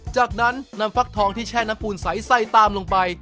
จากนั้นนำฟักทองที่แช่น้ำปูนใสใส่ตามลงไป